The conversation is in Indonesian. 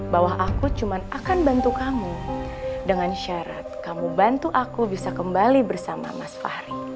bahwa aku cuma akan bantu kamu dengan syarat kamu bantu aku bisa kembali bersama mas fahri